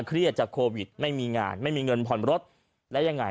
เครียดจากโควิดไม่มีงานไม่มีเงินผ่อนรถแล้วยังไง